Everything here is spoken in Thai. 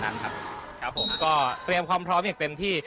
ครับครับผมก็เตรียมความพร้อมอย่างเต็มที่